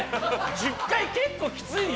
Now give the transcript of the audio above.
１０回結構きついよ。